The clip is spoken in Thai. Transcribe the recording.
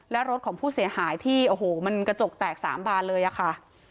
และรถของผู้เสียหายที่โอ้โหมันกระจกแตก๓บานเลยอะค่ะ